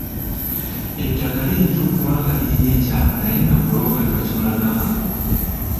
Ettaka liyinza okuba nga lirina ekyapa naye nga bbulooka tebakimulagangako.